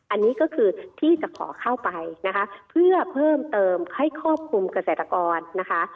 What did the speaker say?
อันนี้ก็คือที่จะขอเข้าไปนะคะเพื่อเพิ่มเติมให้ครอบคลุมเกษตรกรนะคะ